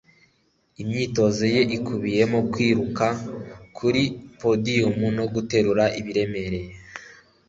Imyitozo ye ikubiyemo kwiruka kuri podiyumu no guterura ibiremereye